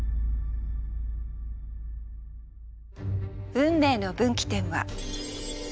運命の分岐点は。